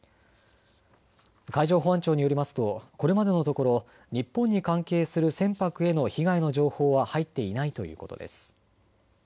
海上保安庁によりますとこれまでのところ日本に関係する船舶への被害の情報は入っていないということです。